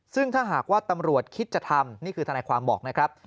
ซึ่งถ้าหากว่าตำรวจคิดจะทำนี่คือทนายความบอกนะครับ